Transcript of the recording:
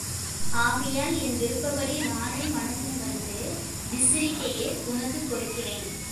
ஆகையால் என் விருப்பப்படி நானே மனமுவந்து விரிசிகையை உனக்குக் கொடுக்கின்றேன்.